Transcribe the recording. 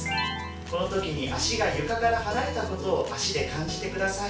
この時に足が床から離れたことを足で感じて下さい。